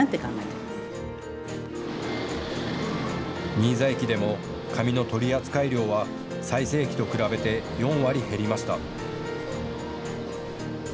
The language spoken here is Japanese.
新座駅でも紙の取扱量は最盛期と比べて４割減りました。